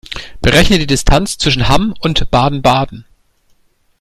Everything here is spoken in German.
Berechne die Distanz zwischen Hamm und Baden-Baden